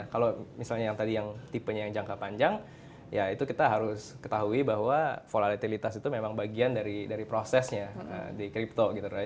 kalau misalnya yang tadi yang tipenya yang jangka panjang ya itu kita harus ketahui bahwa volatilitas itu memang bagian dari prosesnya di crypto gitu